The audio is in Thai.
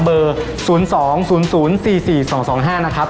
เบอร์๐๒๐๐๔๔๒๒๕นะครับ